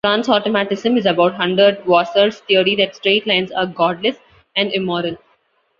Transautomatism is about Hundertwasser's theory that straight lines are 'godless and immoral'.